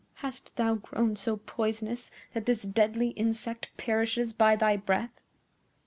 "Hast thou grown so poisonous that this deadly insect perishes by thy breath?"